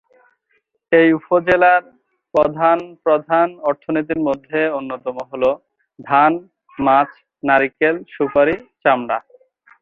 এই উপজেলার প্রধান প্রধান অর্থনীতির মধ্যে অন্যতম হল ধান, মাছ, নারিকেল, সুপারি, চামড়া।